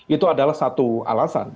itu adalah satu alasan